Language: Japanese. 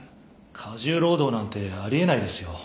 過重労働なんてあり得ないですよ。